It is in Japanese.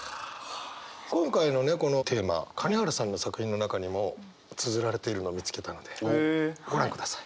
今回のねこのテーマ金原さんの作品の中にもつづられているのを見つけたのでご覧ください。